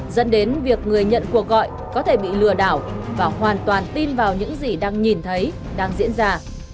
dẫn đến việc người nhận cuộc gọi có thể bị lừa đảo và hoàn toàn tin vào những gì đang nhìn thấy đang diễn ra